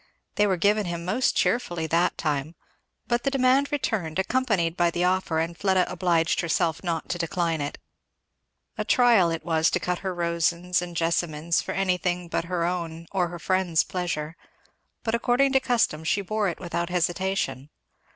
They were given him most cheerfully that time; but the demand returned, accompanied by the offer, and Fleda obliged herself not to decline it. A trial it was to cut her roses and jessamines for anything but her own or her friends' pleasure, but according to custom she bore it without hesitation.